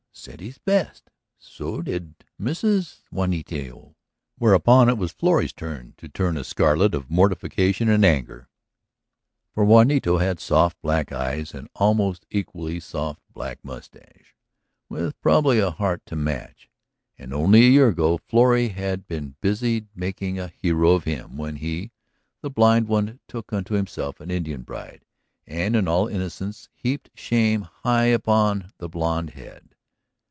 Sent his best. So did Mrs. Juanito." Whereupon it was Florrie's turn to turn a scarlet of mortification and anger. For Juanito had soft black eyes and almost equally soft black mustaches, with probably a heart to match, and only a year ago Florrie had been busied making a hero of him when he, the blind one, took unto himself an Indian bride and in all innocence heaped shame high upon the blonde head.